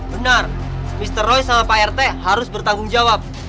benar mr roy sama pak rt harus bertanggung jawab